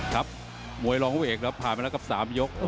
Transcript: ครับมวยรองหัวเอกเราผ่านไปแล้วกับ๓ยก